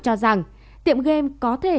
cho rằng tiệm game có thể